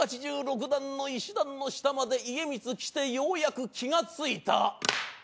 １８６段の石段の下まで家光来てようやく気が付いた。